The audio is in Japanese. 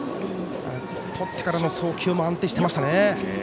とってからの送球も安定していましたね。